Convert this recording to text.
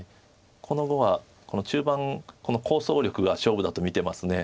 この碁は中盤構想力が勝負だと見てます。